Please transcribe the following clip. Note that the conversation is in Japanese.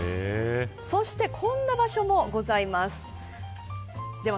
そしてこんな場所もございます。